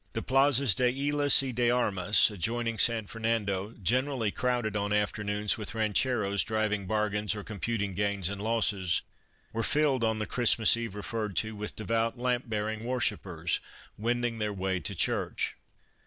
The plazas de Yslas y de Armas, adjoining San Fernando, generally crowded on afternoons with rancheros driving bargains or computing gains and losses, were filled on the Christmas Eve referred to with devout lamp bearing worshippers wending their way to church.